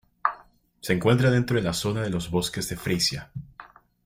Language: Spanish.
Se encuentra dentro de la zona de los bosques de Frisia.